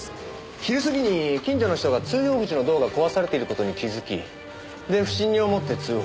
昼過ぎに近所の人が通用口のドアが壊されている事に気づき不審に思って通報。